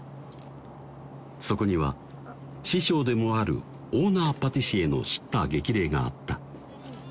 そこには師匠でもあるオーナーパティシエの叱咤激励があった